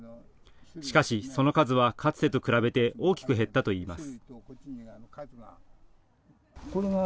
しかしその数はかつてと比べて大きく減ったといいます。